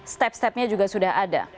step stepnya juga sudah ada